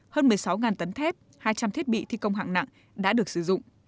hơn một mươi sáu tấn thép hai trăm linh thiết bị thi công hạng nặng đã được sử dụng